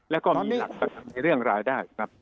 แล้วก็มีหลักประกันในเรื่องรายได้ครับ